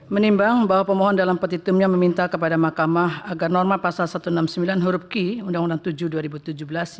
menimbang bahwa pemohon dalam petitumnya meminta kepada mahkamah agar norma pasal satu ratus enam puluh sembilan huruf q undang undang tujuh dua ribu tujuh belas